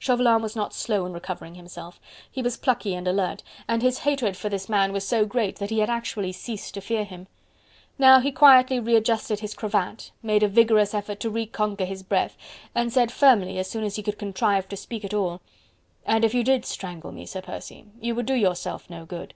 Chauvelin was not slow in recovering himself. He was plucky and alert, and his hatred for this man was so great that he had actually ceased to fear him. Now he quietly readjusted his cravat, made a vigorous effort to re conquer his breath, and said firmly as soon as he could contrive to speak at all: "And if you did strangle me, Sir Percy, you would do yourself no good.